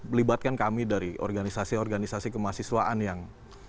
melibatkan kami dari organisasi organisasi kemahasiswaan yang